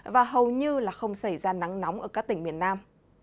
và hầu như là không xảy ra nắng nóng ở các tỉnh miền nam